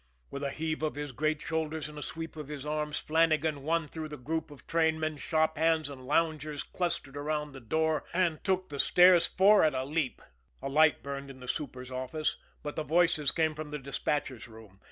With a heave of his great shoulders and a sweep of his arms, Flannagan won through the group of trainmen, shop hands, and loungers clustered around the door, and took the stairs four at a leap. A light burned in the super's office, but the voices came from the despatchers' room.